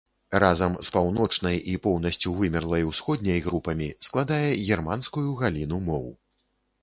Разам з паўночнай і поўнасцю вымерлай усходняй групамі складае германскую галіну моў.